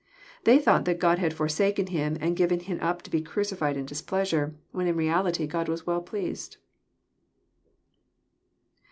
They thought that God had forsaken Him, and given Him up to be crucified in displeasure, when in reality God was well pleased.